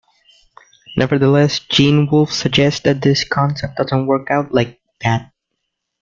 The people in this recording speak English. Nevertheless, Gene Wolfe suggests that this concept doesn't work out like that.